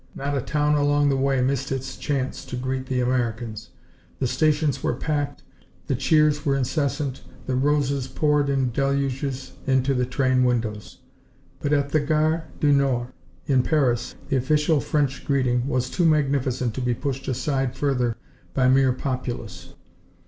Not a town along the way missed its chance to greet the Americans. The stations were packed, the cheers were incessant, the roses poured in deluges into the train windows. But at the Gare du Nord, in Paris, the official French greeting was too magnificent to be pushed aside further by mere populace.